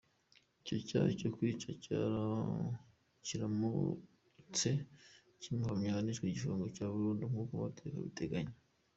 Icyo cyaha cyo kwica kiramutse kibahamye, bahanishwa igifungo cya burundu nk’uko amategeko abiteganya.